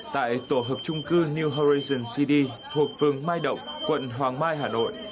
tại tổ hợp trung cư new horizon city thuộc phường mai động quận hoàng mai hà nội